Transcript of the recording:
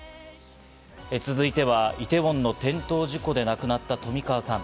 続いては、イテウォンの転倒事故で亡くなった冨川さん。